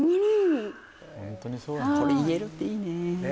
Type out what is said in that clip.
うんはいこれ言えるっていいね